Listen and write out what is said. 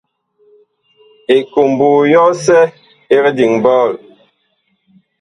Ekombo yɔsɛ ɛg diŋ ɓɔɔl.